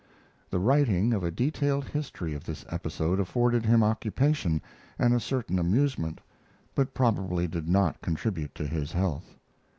The writing of a detailed history of this episode afforded him occupation and a certain amusement, but probably did not contribute to his health.